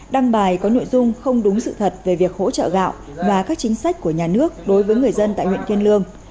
đăng bài có nội dung không đúng sự thật về việc hỗ trợ gạo và các chính sách của nhà nước đối với người dân tại huyện kiên lương